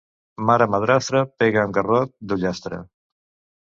Mare madrastra, pega amb garrot d'ullastre.